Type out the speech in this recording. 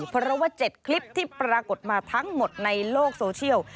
เพราะว่า๗คลิปที่ปรากฏมาทั้งหมดในโลกโซเชียล